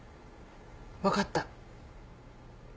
分かった。